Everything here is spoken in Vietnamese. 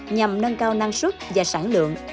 nhằm nâng cao năng suất và sản lượng